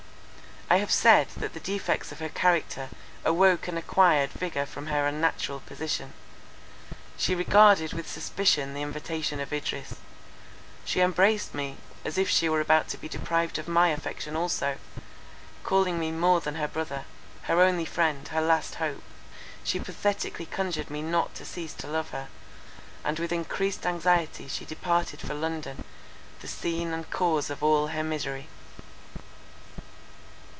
—I have said, that the defects of her character awoke and acquired vigour from her unnatural position. She regarded with suspicion the invitation of Idris; she embraced me, as if she were about to be deprived of my affection also: calling me her more than brother, her only friend, her last hope, she pathetically conjured me not to cease to love her; and with encreased anxiety she departed for London, the scene and cause of all her misery.